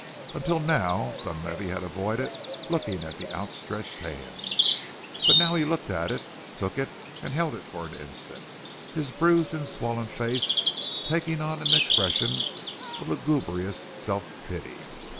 Until now Dunlavey had avoided looking at the outstretched hand. But now he looked at it, took it and held it for an instant, his bruised and swollen face taking on an expression of lugubrious self pity.